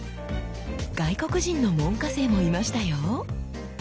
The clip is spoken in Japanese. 外国人の門下生もいましたよ！